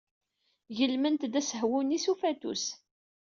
Gelment-d asehwu-nni s ufatus.